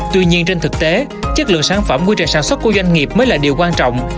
tuy nhiên trên thực tế chất lượng sản phẩm quy trình sản xuất của doanh nghiệp mới là điều quan trọng